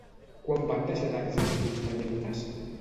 Quan van deixar d'existir els madianites?